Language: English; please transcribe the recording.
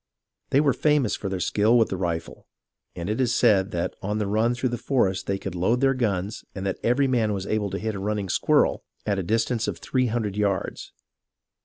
They were famous for their skill with the rifle, and it is said that on the run through the forest they could load their guns and that every man was able to hit a running squirrel at a distance of three hundred yards.